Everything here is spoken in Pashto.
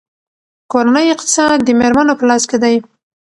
کورنۍ اقتصاد د میرمنو په لاس کې دی.